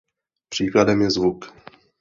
Příkladem je zvuk.